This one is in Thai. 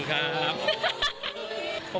ขอบคุณครับ